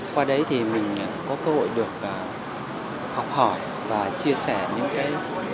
qua đấy thì mình có cơ hội được học hỏi và chia sẻ những cái cách làm phim